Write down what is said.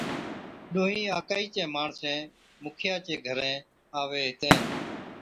ڏونھِين آڪهِي چين ماڻسين مُکيا چي گھرين آوين ھِتين